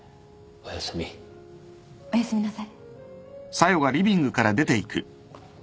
おやすみなさい。